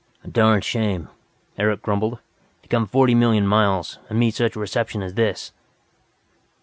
"A darned shame," Eric grumbled, "to come forty million miles, and meet such a reception as this!"